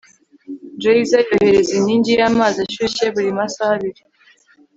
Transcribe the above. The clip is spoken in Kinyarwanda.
geyser yohereza inkingi y'amazi ashyushye buri masaha abiri